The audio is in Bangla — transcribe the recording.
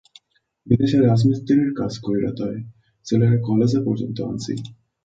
বিদেশে রাজমিস্ত্রির কাজ কইরা তয় ছেলেরে কলেজে পর্যন্ত আনছি।